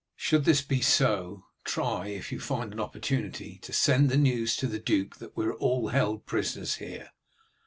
Should this be so, try, if you find an opportunity, to send the news to the duke that we are all held prisoners here.